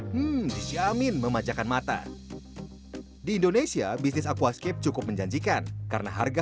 disyamin memajakan mata di indonesia bisnis aquascape cukup menjanjikan karena harga